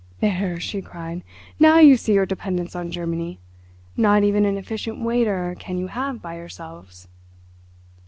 "There," she cried, "now you see your dependence on Germany. Not even an efficient waiter can you have by yourselves."